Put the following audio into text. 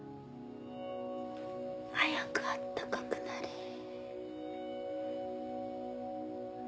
早くあったかくなれ。